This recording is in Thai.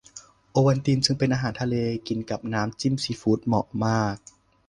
โอวัลตินจึงเป็นอาหารทะเล กินกับน้ำจิ้มซีฟู้ดเหมาะมาก